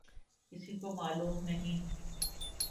کسی کو معلوم نہیں۔